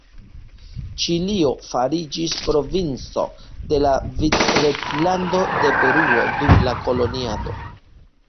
Ĉilio fariĝis provinco de la Vicreĝlando de Peruo dum la koloniado.